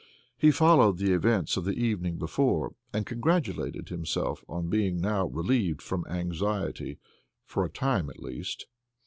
He followed the events of the evening before, and congratulated himself on being now relieved from anxiety, for a time at least.